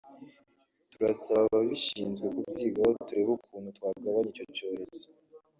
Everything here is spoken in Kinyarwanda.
Turasaba ababishinzwe kubyigaho turebe ukuntu twagabanya icyo cyorezo”